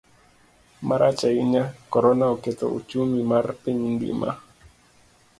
Marach ahinya, Korona oketho ochumi mar piny ngima.